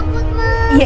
aku takut ma